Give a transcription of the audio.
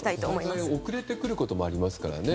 災害は遅れてくることもありますからね。